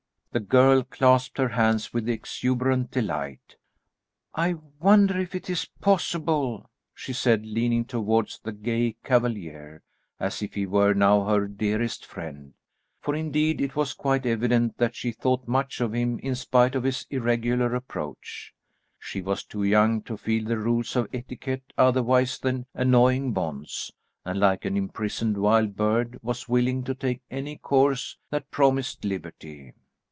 The girl clasped her hands with exuberant delight. "I wonder if it is possible," she said, leaning towards the gay cavalier, as if he were now her dearest friend for indeed it was quite evident that she thought much of him in spite of his irregular approach. She was too young to feel the rules of etiquette otherwise than annoying bonds, and like an imprisoned wild bird, was willing to take any course that promised liberty.